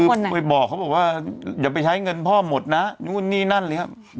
พี่ป่านวทก็ไปบอกให้เขาบอกว่าอย่าไปใช้เงินพ่อหมดนะนี่นั่นหรืออย่างนี้